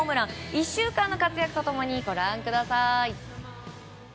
１週間の活躍と共にご覧ください。